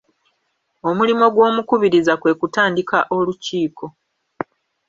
Omulimo gw’omukubiriza kwe kutandika olukiiko.